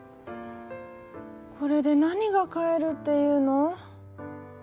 これでなにがかえるっていうの」。